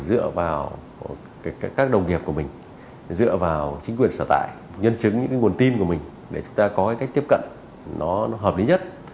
dựa vào các đồng nghiệp của mình dựa vào chính quyền sở tại nhân chứng những cái nguồn tin của mình để chúng ta có cái cách tiếp cận nó hợp lý nhất